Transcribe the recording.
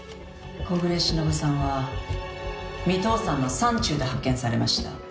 「小暮しのぶさんは三頭山の山中で発見されました」